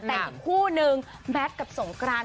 แต่อีกคู่นึงแมทกับสงกราน